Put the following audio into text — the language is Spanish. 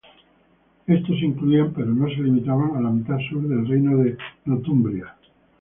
Estos incluían, pero no se limitaban, a la mitad sur del Reino de Northumbria.